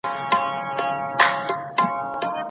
ولي کوښښ کوونکی د پوه سړي په پرتله برخلیک بدلوي؟